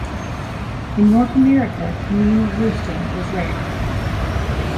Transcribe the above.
In North America, communal roosting is rare.